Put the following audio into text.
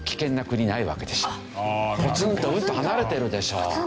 ぽつんとうんと離れてるでしょ。